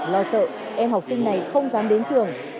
lo sợ em học sinh này không dám đến trường